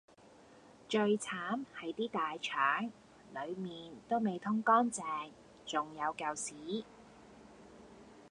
最慘係啲大腸，裡面都未通乾淨，重有嚿屎